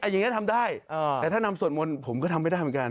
อย่างนี้ทำได้แต่ถ้านำสวดมนต์ผมก็ทำไม่ได้เหมือนกัน